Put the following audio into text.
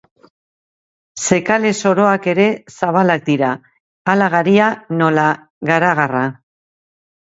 Zekale soroak ere zabalak dira, hala garia, nola garagarra.